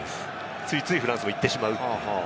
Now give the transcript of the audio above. ついついフランスも行ってしまう。